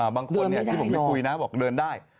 บางคนที่ผมไปคุยนะบอกเดินได้